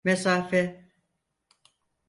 Mesafe?